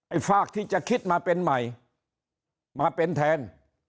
ฝากที่จะคิดมาเป็นใหม่มาเป็นแทน